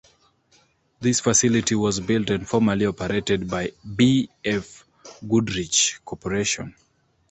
This facility was built and formerly operated by B. F. Goodrich Corporation.